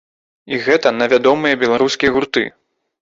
І гэта на вядомыя беларускія гурты.